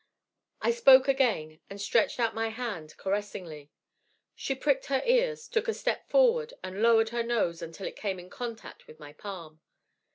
I spoke again, and stretched out my hand caressingly. She pricked her ears, took a step forward and lowered her nose until it came in contact with my palm.